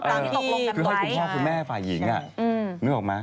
ต้องตามที่ตกลงกันไว้คือให้คุณพ่อคุณแม่ฝ่ายหญิงนึกออกไหม